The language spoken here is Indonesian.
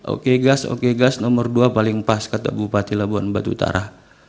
okegas okegas nomor dua paling pas kata bupati labuan batu utara